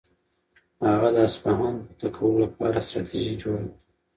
هغه د اصفهان فتح کولو لپاره ستراتیژي جوړه کړه.